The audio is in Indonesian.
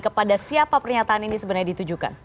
kepada siapa pernyataan ini sebenarnya ditujukan